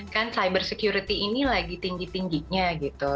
kan cyber security ini lagi tinggi tingginya gitu